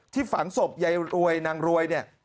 ที่ฝังศพใยรวยนางรวยเน่ย